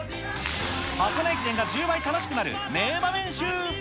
箱根駅伝が１０倍楽しくなる名場面集。